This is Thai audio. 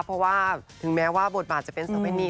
เพราะว่าถึงแม้ว่าบทบาทจะเป็นสเวณี